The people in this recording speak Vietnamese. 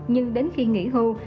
nhưng đến khi nghỉ hưu